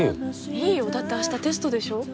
いいよだって明日テストでしょ？